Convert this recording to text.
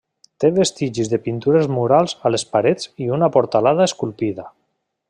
Té vestigis de pintures murals a les parets i una portalada esculpida.